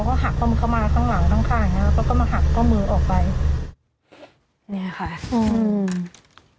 เขาหักมือเขามาข้างหลังตั้งข้างเนี้ยเขาก็มาหักก็มือออกไปนี่ค่ะอืม